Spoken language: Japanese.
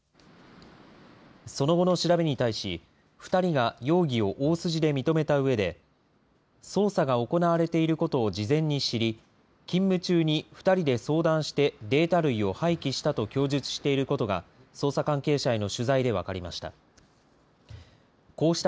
その後の調べに対し、２人が容疑を大筋で認めたうえで、捜査が行われていることを事前に知り、勤務中に２人で相談して、データ類を廃棄したと供述していることが、捜査関係者への取材で分かりました。